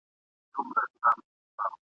زما یې په نصیب لیکلی دار دی بیا به نه وینو ..